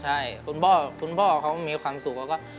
ใช่คุณพ่อเขามีความสุขแล้วก็